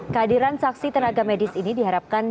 kehadiran saksi tenaga medis ini diharapkan